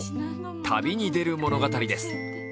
旅に出る物語です。